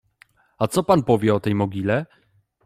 — A co pan powie o tej mogile?